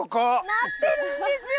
なってるんですよ